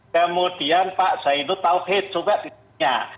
kemudian pak zainul taubhej coba ditanya